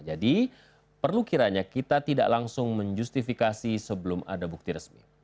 jadi perlu kiranya kita tidak langsung menjustifikasi sebelum ada bukti resmi